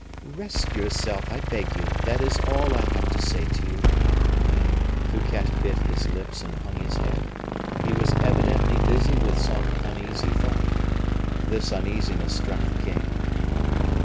"Rest yourself, I beg you; that is all I have to say to you." Fouquet bit his lips and hung his head. He was evidently busy with some uneasy thought. This uneasiness struck the king.